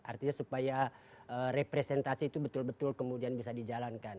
artinya supaya representasi itu betul betul kemudian bisa dijalankan